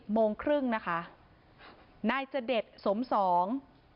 ๑๐โมงครึ่งนะคะนายเจอเด็ดสมสอง